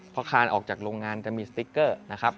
พอคานออกจากโรงงานจะมีสติ๊กเกอร์นะครับ